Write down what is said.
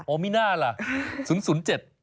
โอมินาละศูนย์ศูนย์เจ็ด